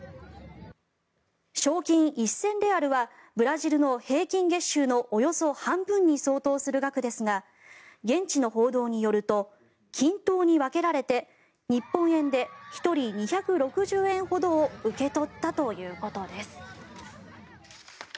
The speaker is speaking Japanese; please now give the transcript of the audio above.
賞金１０００レアルはブラジルの平均月収のおよそ半分に相当する額ですが現地の報道によると均等に分けられて日本円で１人２６０円ほどを受け取ったということです。